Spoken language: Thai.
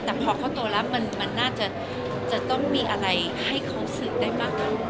แต่พอเขาโตแล้วจะต้องมีอะไรให้เขาซึ่งได้มากกว่า